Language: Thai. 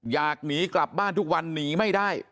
อยากหนีกลับบ้านทุกวันหนีไม่ได้